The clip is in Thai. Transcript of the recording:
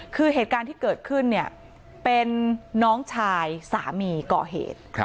คือเหตุการณ์ที่เกิดขึ้นเนี่ยเป็นน้องชายสามีก่อเหตุ